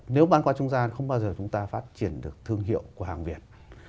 nếu bán qua trung gian không bao giờ chúng ta phát triển được thương hiệu của hàng việt